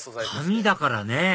紙だからね